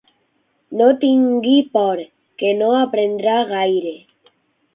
No tingui por, que no aprendrà gaire.